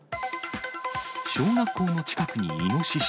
小学校の近くにイノシシ。